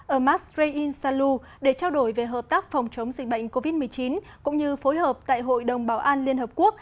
ermas reyn saluh để trao đổi về hợp tác phòng chống dịch bệnh covid một mươi chín cũng như phối hợp tại hội đồng bảo an liên hợp quốc